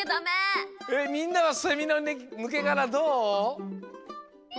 みんなはセミのぬけがらどう？